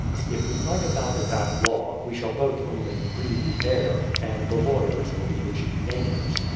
If we fight about it at law, we shall both only cleave the air, and the lawyers will be the chief gainers.